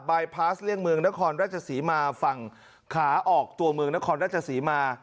บายพาสเลี่ยงเมืองนครราชศรีมาฝั่งขาออกตัวเมืองนครราชศรีมา